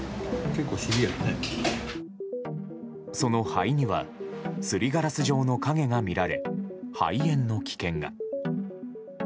その肺にはすりガラス状の影が見られ肺炎の危険が。